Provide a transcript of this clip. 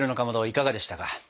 いかがでしたか？